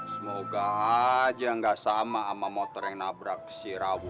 semoga aja nggak sama ama motor yang nabrak si rawun